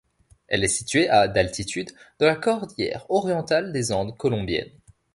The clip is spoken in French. Elle est située à d'altitude dans la cordillère Orientale des Andes colombiennes.